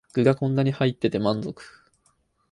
具がこんなに入ってて満足